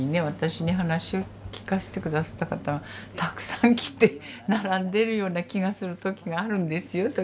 私に話をきかせて下さった方がたくさん来て並んでるような気がする時があるんですよ。